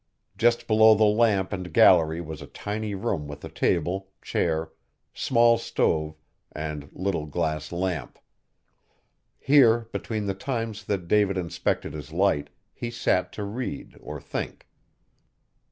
Just below the lamp and gallery was a tiny room with a table, chair, small stove, and little glass lamp. Here, between the times that David inspected his Light, he sat to read or think.